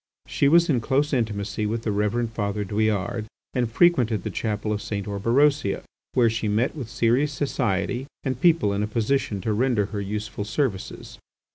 She was in close intimacy with the Reverend Father Douillard and frequented the chapel of St. Orberosia, where she met with serious society and people in a position to render her useful services.